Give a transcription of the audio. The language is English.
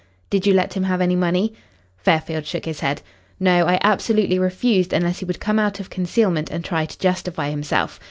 "Did you let him have any money?" Fairfield shook his head. "No; I absolutely refused unless he would come out of concealment and try to justify himself.